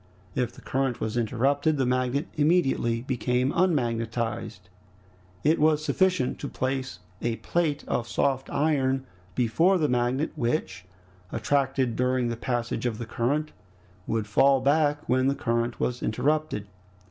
If the current was interrupted, the magnet immediately became unmagnetized. It was sufficient to place a plate of soft iron before the magnet, which, attracted during the passage of the current, would fall back when the current was interrupted.